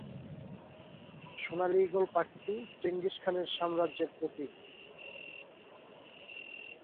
সোনালী ঈগল পাখিটি চেঙ্গিস খানের সাম্রাজ্যের প্রতীক।